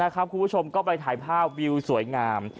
คุณผู้ชมก็ไปถ่ายภาพวิวสวยงาม